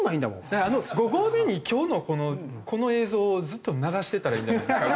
だから５合目に今日のこの映像をずっと流してたらいいんじゃないですか？